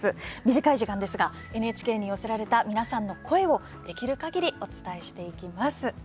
短い時間ですがＮＨＫに寄せられた皆さんの声をできるかぎりお伝えしていきます。